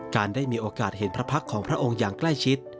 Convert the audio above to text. ได้มีโอกาสเห็นพระพักษ์ของพระองค์อย่างใกล้ชิด